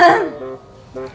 ini yang di sini